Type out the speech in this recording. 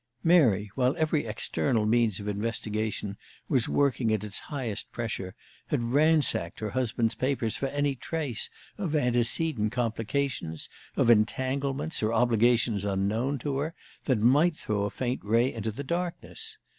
Mary, while every external means of investigation was working at its highest pressure, had ransacked her husband's papers for any trace of antecedent complications, of entanglements or obligations unknown to her, that might throw a faint ray into the darkness.